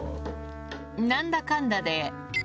なんだかんだで。